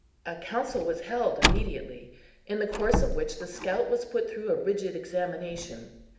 A council was held immediately, in the course of which the scout was put through a rigid examination.